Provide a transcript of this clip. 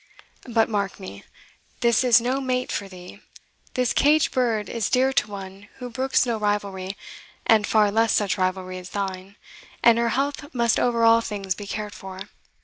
But mark me, this is no mate for thee. This caged bird is dear to one who brooks no rivalry, and far less such rivalry as thine, and her health must over all things be cared for.